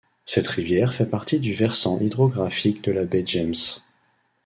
Cette rivière fait partie du versant hydrographique de la Baie James.